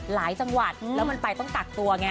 จังหวัดแล้วมันไปต้องกักตัวไง